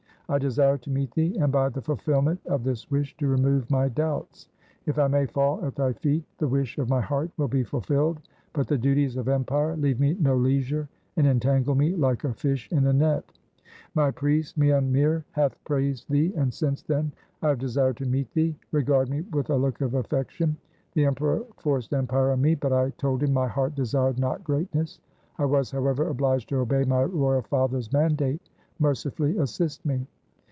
I desire to meet thee and by the fulfilment of this wish to remove my doubts. If I may fall at thy feet the wish of my heart will be fulfilled, but the duties of empire leave me no leisure and entangle me like a fish in a net. My priest Mian Mir hath praised thee, and since then I have desired to meet thee. Regard me with a look of affection. The Emperor forced empire on me, but I told him my heart desired not greatness. I was, however, obliged to obey my royal father's mandate. Mercifully assist me